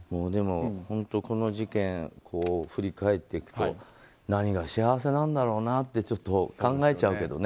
本当にこの事件振り返っていくと何が幸せなんだろうなって考えちゃうけどね。